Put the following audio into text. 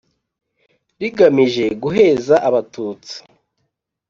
rigamije guheza Abatutsi